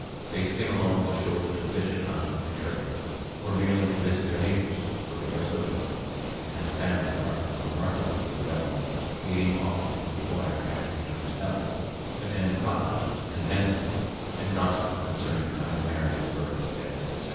They skim along the shores to fish and hunt and trade, or merely to visit their neighbors, for they are sociable, and have family pride remarkably well developed, meeting often to inquire after each other's health, attend potlatches and dances, and gossip concerning coming marriages, births, deaths, etc.